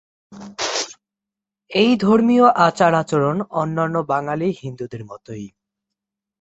এদের ধর্মীয় আচার-আচরণ অন্যান্য বাঙালি হিন্দুদের মতোই।